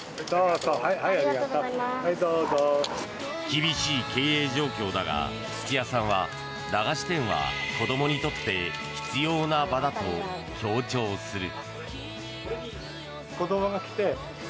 厳しい経営状況だが土屋さんは駄菓子店は子どもにとって必要な場だと強調する。